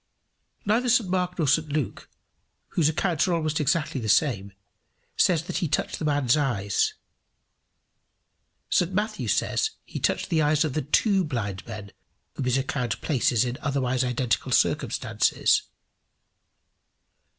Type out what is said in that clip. Neither St Mark nor St Luke, whose accounts are almost exactly the same, says that he touched the man's eyes. St Matthew says he touched the eyes of the two blind men whom his account places in otherwise identical circumstances.